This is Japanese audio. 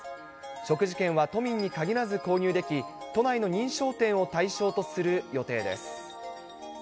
食事券は都民に限らず購入でき、都内の認証店を対象とする予定です。